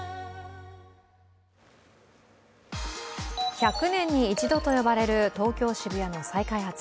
１００年に一度と呼ばれる東京・渋谷の再開発。